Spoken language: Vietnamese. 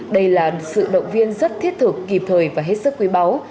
đây là sự động viên rất thiết thực kịp thời và hết sức quý báu